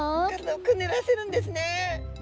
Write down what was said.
体をくねらせるんですね！